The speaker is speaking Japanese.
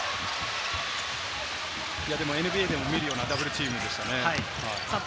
ＮＢＡでも見るようなダブルチームでした。